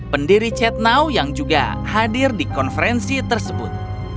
pendiri chat now yang juga hadir di konferensi tersebut